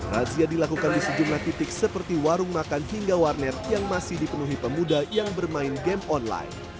razia dilakukan di sejumlah titik seperti warung makan hingga warnet yang masih dipenuhi pemuda yang bermain game online